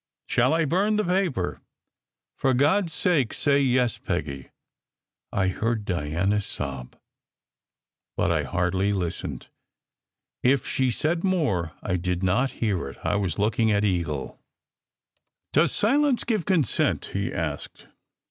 Shall I burn the paper? " "For God s sake, say yes, Peggy!" I heard Diana sob. But I hardly listened. If she said more, I did not hear it. I was looking at Eagle. 318 SECRET HISTORY "Does silence give consent?" he asked.